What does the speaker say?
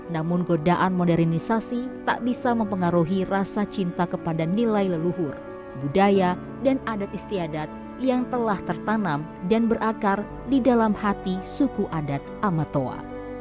namun godaan modernisasi tak bisa mempengaruhi rasa cinta kepada nilai leluhur budaya dan adat istiadat yang telah tertanam dan berakar di dalam hati suku adat amatoa